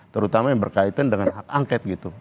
terutama yang berkaitan dengan hak angket gitu